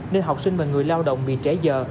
nên học sinh và người lao động bị trễ dờ